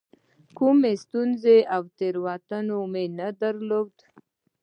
کومه ستونزه او تېروتنه مو نه درلوده.